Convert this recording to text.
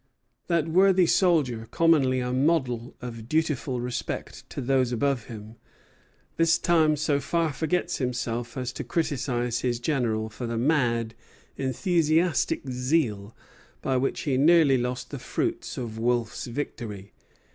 That worthy soldier, commonly a model of dutiful respect to those above him, this time so far forgets himself as to criticise his general for the "mad, enthusiastic zeal" by which he nearly lost the fruits of Wolfe's victory.